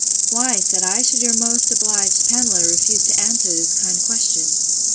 Why, said I, should your so much obliged Pamela refuse to answer this kind question?